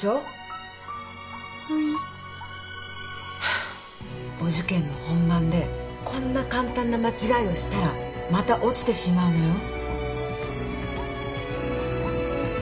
ハァー。お受験の本番でこんな簡単な間違いをしたらまた落ちてしまうのよ。